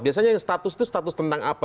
biasanya yang status itu status tentang apa